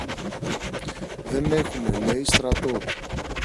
Δεν έχουμε, λέει, στρατό!